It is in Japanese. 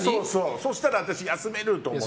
そしたら私、休めると思って。